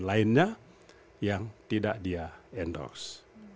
lainnya yang tidak dia endorse